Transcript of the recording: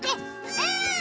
うん！